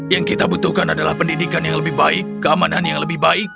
yang kita butuhkan adalah pendidikan yang lebih baik keamanan yang lebih baik